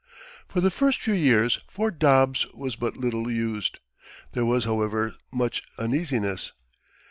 For the first few years Fort Dobbs was but little used. There was, however, much uneasiness.